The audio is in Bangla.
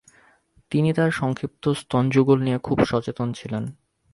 তিনি তার সংক্ষিপ্ত স্তনযুগল নিয়ে খুব সচেতন ছিলেন।